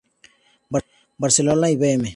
Barcelona y Bm.